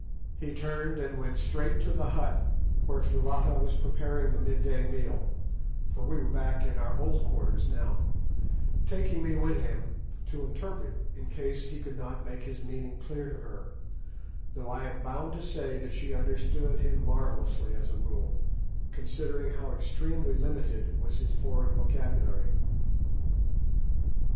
He turned and went straight to the hut where Foulata was preparing the mid day meal, for we were back in our old quarters now, taking me with him to interpret in case he could not make his meaning clear to her, though I am bound to say that she understood him marvellously as a rule, considering how extremely limited was his foreign vocabulary.